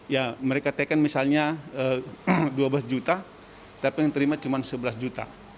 ya mereka taken misalnya dua belas juta tapi yang terima cuma sebelas juta